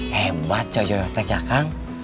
hebat coyotek ya kang